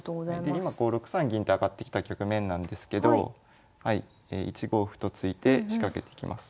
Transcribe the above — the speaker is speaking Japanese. で今こう６三銀と上がってきた局面なんですけど１五歩と突いて仕掛けていきます。